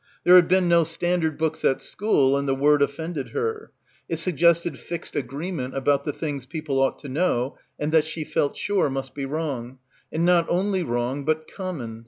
There had been no "standard" books at school and the word offended her. It suggested fixed agreement about the things people ought to know and that she felt sure must be wrong, and not only wrong but "common"